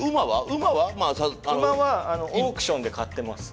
馬はオークションで買ってます。